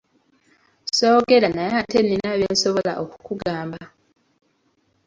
Soogera naye ate nina bye nsobola okukugamba.